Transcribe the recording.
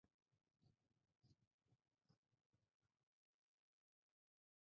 La oxidación de los hidrocarburos a agua y dióxido de carbono.